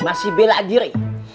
masih bela diri